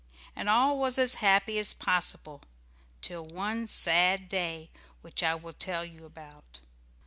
And all was as happy as possible till one sad day which I will tell you about.